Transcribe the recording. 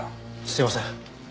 すいません。